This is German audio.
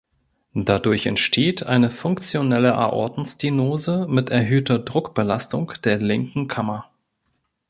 Dadurch entsteht eine funktionelle Aortenstenose mit erhöhter Druckbelastung der linken Kammer.